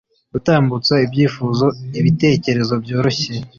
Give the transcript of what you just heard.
gutambutsa ibyifuzo, ibitekerezo byoroshye